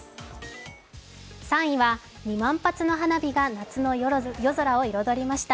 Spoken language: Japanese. ３位は２万発の花火が夏の夜空を彩りました。